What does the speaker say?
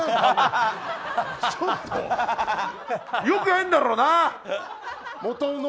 よくねえんだろうな。